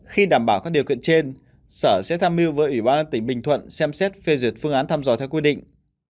khi đảm bảo các điều kiện trên sở sẽ tham mưu với ủy ban tỉnh bình thuận xem xét phê duyệt phương án thăm dò theo quy định